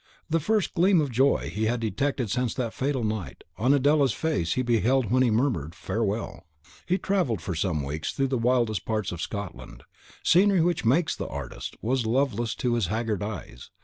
The first gleam of joy he had detected since that fatal night, on Adela's face, he beheld when he murmured "Farewell." He travelled for some weeks through the wildest parts of Scotland; scenery which MAKES the artist, was loveless to his haggard eyes.